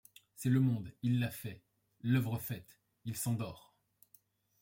C’est le monde ; il la fait ; l’œuvre faite, il s’endort.